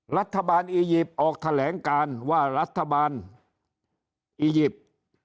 รัฐบาลอียิปต์ออกแถลงการว่ารัฐบาลอียิปต์